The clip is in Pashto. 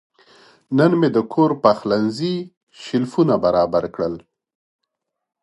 نن مې د کور پخلنځي شیلفونه برابر کړل.